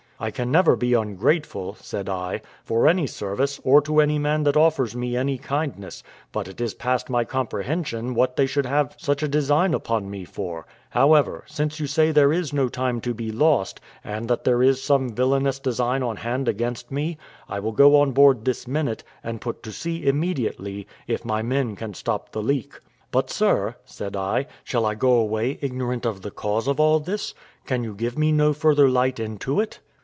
"I can never be ungrateful," said I, "for any service, or to any man that offers me any kindness; but it is past my comprehension what they should have such a design upon me for: however, since you say there is no time to be lost, and that there is some villainous design on hand against me, I will go on board this minute, and put to sea immediately, if my men can stop the leak; but, sir," said I, "shall I go away ignorant of the cause of all this? Can you give me no further light into it?"